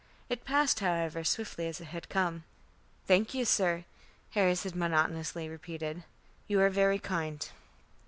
It passed, however, swiftly as it had come. "Thank you, sir," Harry monotonously repeated. "You are very kind."